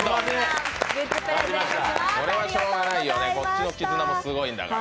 これはしょうがないよね、こっちの絆もすごいんだから。